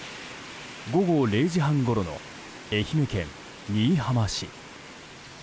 午後０時半ごろの愛媛県新居浜市。